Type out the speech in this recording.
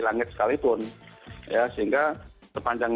langit sekalipun ya sehingga sepanjang